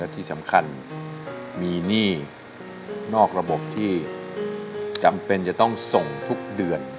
ที่สำคัญมีหนี้นอกระบบที่จำเป็นจะต้องส่งทุกเดือน